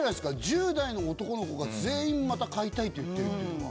１０代の男の子が全員「また買いたい」って言ってるっていうのは。